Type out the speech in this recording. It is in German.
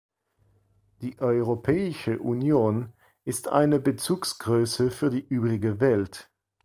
Die Europäische Union ist eine Bezugsgröße für die übrige Welt.